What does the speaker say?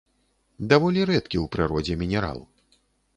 Даволі рэдкі ў прыродзе мінерал.